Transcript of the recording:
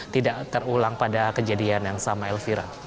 tidak terulang pada kejadian yang sama elvira